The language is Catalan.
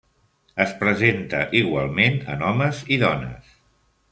Es presenta igualment en homes i dones.